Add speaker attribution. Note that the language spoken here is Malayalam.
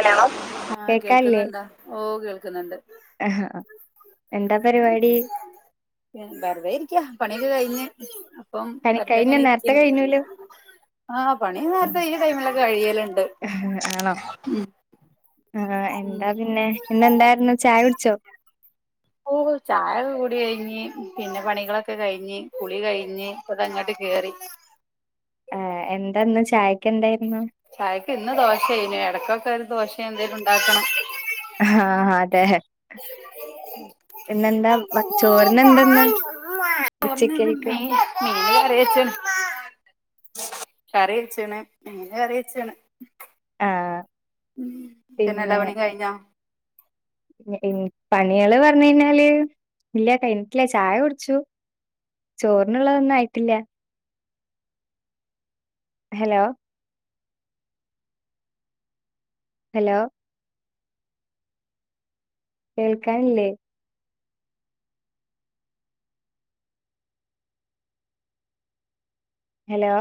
Speaker 1: ഹലോ ആ
Speaker 2: കേക്കാല്ലേ
Speaker 1: കേൾക്കുന്നുണ്ടാ ഓ കേൾ കേക്കുന്നുണ്ട്
Speaker 2: ആഹ് ആഹ്. എന്താ പരിപാടി
Speaker 1: വെറുതെയിരിക്കാ പണിയൊക്കെ കഴിഞ്ഞ് [inaudible] അപ്പം
Speaker 2: കനി
Speaker 1: വെറുതെ
Speaker 2: കഴിഞ്ഞ
Speaker 1: എങ്ങനെ
Speaker 2: നേരത്തെ
Speaker 1: ഇരിക്കും
Speaker 2: കഴിഞ്ഞൂലോ
Speaker 1: ആഹ പണി നേരത്തെ ഈ ടൈമിലൊക്കെ കഴിയലണ്ട് ഉം
Speaker 2: ആഹ എന്താ പിന്നെ പിന്നെന്തായിരുന്നു ചായ കുടിച്ചോ
Speaker 1: ഓ ചായൊക്കെ കുടി കഴിഞ്ഞ് പിന്നെ പണികളൊക്കെ കഴിഞ്ഞ് കുളി കഴിഞ്ഞ് അതങ്ങോട്ട് കേറി
Speaker 2: ആ എന്താന്ന് ചായക്ക് എന്തായിരുന്നു
Speaker 1: ചായക്ക് ഇന്ന് ദോശയായിന്നു ഇടയ്ക്കൊക്കെ ഒരു ദോശയൊ എന്തേലും ഉണ്ടാക്കണം
Speaker 2: ആ അതെ പിന്നെന്താ മ ചോറിന എന്തെന്ന്
Speaker 1: ചോറിന് ഇന്ന്
Speaker 2: ഉച്ചക്കായിക്ക്
Speaker 1: മീൻ മീന് കറി വെച്ച്ണ് കറി വെച്ചണ് എങ്ങനെ കറി വെച്ചണ്
Speaker 2: ആഹ്
Speaker 1: പിന്നെ എല്ലാ പണി യും കഴിഞ്ഞോ
Speaker 2: പണികള് പറഞ്ഞ കഴിഞ്ഞാല് ഇല്ല കഴിഞ്ഞിട്ടില്ല ചായ കുടിച്ചു ചോറിനുള്ളതൊന്നും ആയിട്ടില്ല ഹലോ ഹലോ കേൾക്കാനല്ലേ ഹലോ